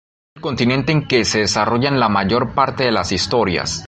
Es el continente en que se desarrollan la mayor parte de las historias.